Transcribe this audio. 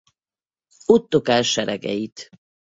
Ottokár seregeit.